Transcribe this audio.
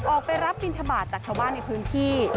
ออกไปรับบินทบาทจากชาวบ้านในพื้นที่